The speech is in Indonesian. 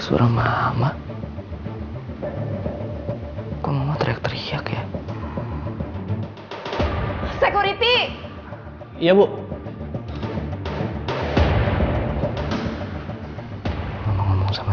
saya tidak mengijinkan bapak ketemu anak saya